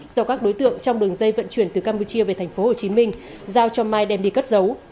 do các đối tượng trong đường dây vận chuyển từ campuchia về tp hcm giao cho mai đem đi cất giấu